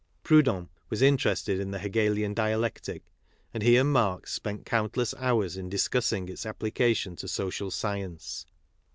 Proudhon was interested in the Hegelian dialectic, and he and Marx spent countless hours in discussing its application to social science.